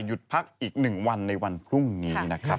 หยุดพักอีกหนึ่งวันในวันพรุ่งนี้นะครับ